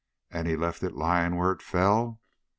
"And he left it lying where it fell?"